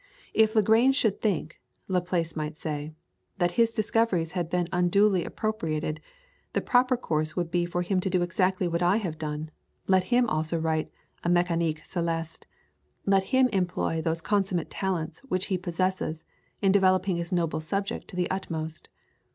"If Lagrange should think," Laplace might say, "that his discoveries had been unduly appropriated, the proper course would be for him to do exactly what I have done. Let him also write a "Mecanique Celeste," let him employ those consummate talents which he possesses in developing his noble subject to the utmost.